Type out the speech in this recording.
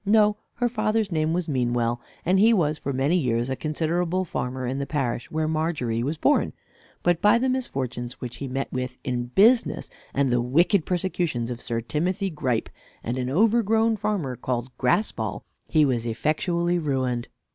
No; her father's name was Meanwell; and he was for many years a considerable farmer in the parish where Margery was born; but by the misfortunes which he met with in business, and the wicked persecutions of Sir Timothy Gripe, and an overgrown farmer called Graspall, he was effectually ruined.